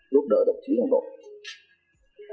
giúp đỡ đồng chí cộng đồng